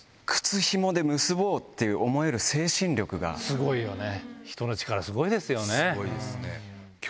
すごいよね。